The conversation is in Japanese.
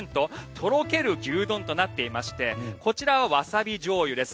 とろける牛丼となっていましてこちらはわさびじょうゆです。